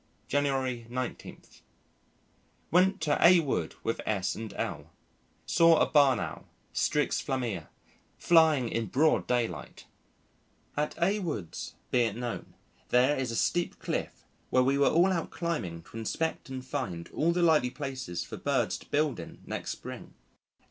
January 19. Went to A Wood with S and L . Saw a Barn Owl (Strix flammea) flying in broad daylight. At A Woods, be it known, there is a steep cliff where we were all out climbing to inspect and find all the likely places for birds to build in, next spring.